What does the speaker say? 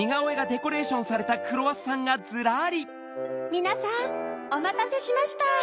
みなさんおまたせしました。